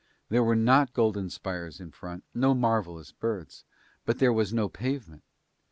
There were not golden spires in front, no marvellous birds; but there was no pavement.